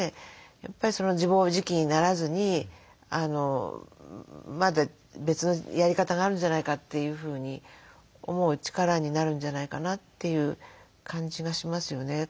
やっぱり自暴自棄にならずにまだ別のやり方があるんじゃないかというふうに思う力になるんじゃないかなという感じがしますよね。